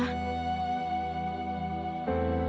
mungkin dia menjadi gila